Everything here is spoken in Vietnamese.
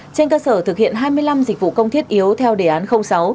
trên cơ sở thực hiện hai mươi năm dịch vụ công thiết yếu theo đề án sáu